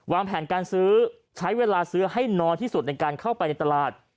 แผนการซื้อใช้เวลาซื้อให้น้อยที่สุดในการเข้าไปในตลาด